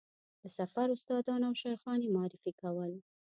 د سفر استادان او شیخان یې معرفي کول.